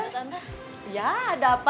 tante ya ada apa